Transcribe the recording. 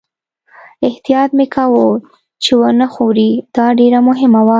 احتیاط مې کاوه چې و نه ښوري، دا ډېره مهمه وه.